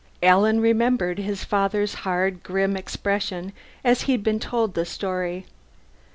Alan remembered his father's hard, grim expression as he had been told the story.